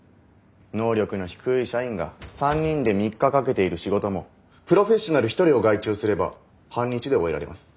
能力の低い社員が３人で３日かけている仕事もプロフェッショナル１人を外注すれば半日で終えられます。